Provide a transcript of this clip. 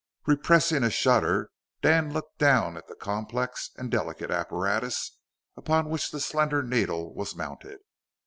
Repressing a shudder, Dan looked down at the complex and delicate apparatus upon which the slender needle was mounted.